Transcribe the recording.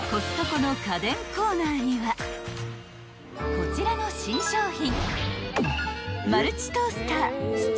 ［こちらの新商品］